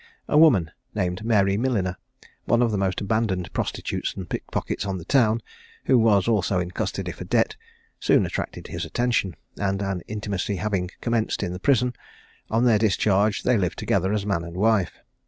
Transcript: A woman named Mary Milliner, one of the most abandoned prostitutes and pickpockets on the town, who was also in custody for debt, soon attracted his attention, and an intimacy having commenced in the prison, on their discharge they lived together as man and wife.